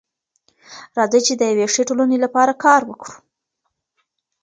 راځئ چي د يوې ښې ټولني لپاره کار وکړو.